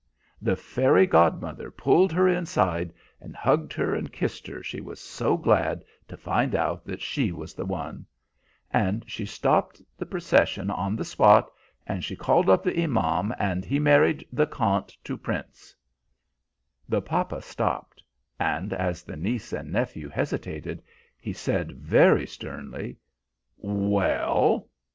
The fairy godmother pulled her inside and hugged her and kissed her, she was so glad to find out that she was the one; and she stopped the procession on the spot, and she called up the Imam, and he married the Khant to Prince " The papa stopped, and as the niece and nephew hesitated, he said, very sternly, "Well?"